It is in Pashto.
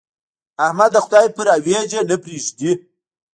احمد د خدای پر اوېجه نه پرېږدي.